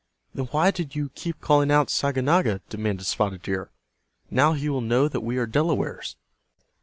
"Then why did you keep calling out 'Saganaga'?" demanded Spotted Deer. "Now he will know that we are Delawares."